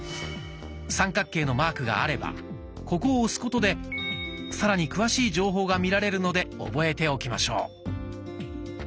三角形のマークがあればここを押すことでさらに詳しい情報が見られるので覚えておきましょう。